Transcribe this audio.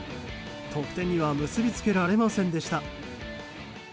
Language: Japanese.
得点には結びつけられませんでした。